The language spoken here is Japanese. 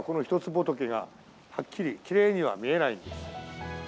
仏が、はっきりきれいには見えないんです。